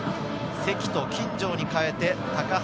積と金城に代えて高橋、